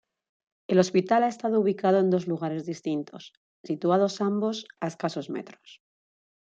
El hospital ha estado ubicado en dos lugares distintos, situados ambos a escasos metros.